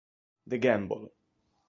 The Gamble